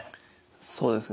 そうですね。